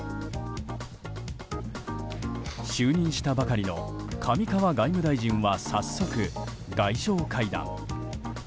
就任したばかりの上川外務大臣は早速、外相会談。